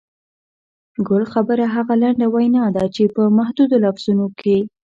ګل خبره هغه لنډه وینا ده چې په محدودو لفظونو کې.